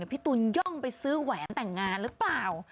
พี่ตูนย่องไปซื้อแหวนแต่งงานหรือเปล่า